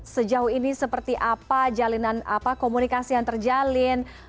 sejauh ini seperti apa jalinan komunikasi yang terjalin